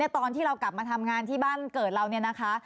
ตอนที่เรากลับมาทำงานที่บ้านเกิดเราเนี่ยนะคะ